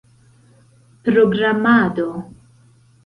programado